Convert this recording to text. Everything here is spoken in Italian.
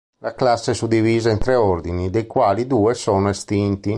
La classe è suddivisa in tre ordini, dei quali due sono estinti.